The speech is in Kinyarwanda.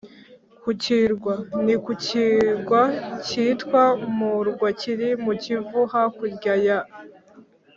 ku kirwa: ni ku kirwa kitwa murwa kiri mu kivu hakurya ya